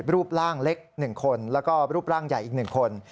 รูปร่างเล็ก๑คนแล้วก็รูปร่างใหญ่อีก๑คน